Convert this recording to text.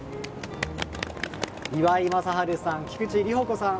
岩井雅治さん、菊地里帆子さん